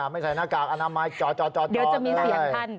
ไม่ใส่หน้ากากอันนั้นทำไมจอเดี๋ยวจะมีเสียงท่าน